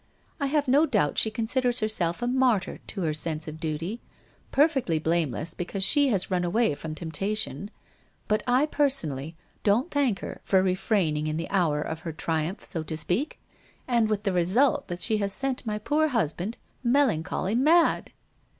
I have no doubt she considers herself a martyr to her sense of duty — perfectly blameless because she has run away from temptation — but I personally, don't thank her for refraining in the hour of her triumph, so to speak, and with the result that she has sent my poor husband melancholy mad